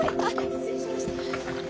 失礼しました。